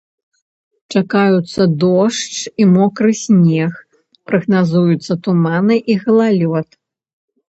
Чакаюцца дождж і мокры снег, прагназуюцца туманы і галалёд.